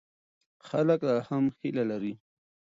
خلک لا هم هیله لري.